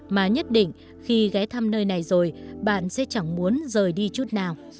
mà nhất định khi ghé thăm nơi này rồi bạn sẽ chẳng muốn rời đi chút nào